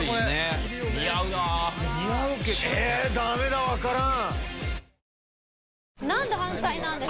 ダメだ分からん。